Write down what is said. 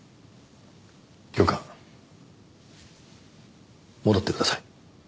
教官戻ってください。